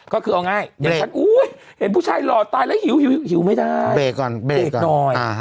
ก็คือเอาง่ายเดี๋ยวฉันอุ้ยเห็นผู้ชายหล่อตายแล้วหิวหิวไม่ได้เบรกก่อนเบรกก่อนเบรกหน่อย